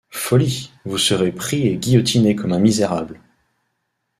Folie! vous serez pris et guillotiné comme un misérable.